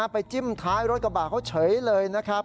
จิ้มท้ายรถกระบะเขาเฉยเลยนะครับ